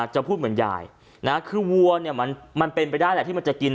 จะพูดเหมือนยายนะคือวัวเนี่ยมันเป็นไปได้แหละที่มันจะกิน